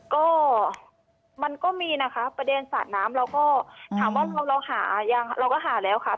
ก็มันก็มีนะคะประเด็นสาดน้ำเราก็ถามว่าเราหายังเราก็หาแล้วค่ะ